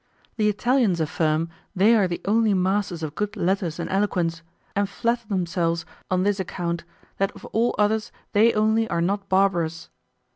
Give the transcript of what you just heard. The Italians affirm they are the only masters of good letters and eloquence, and flatter themselves on this account, that of all others they only are not barbarous.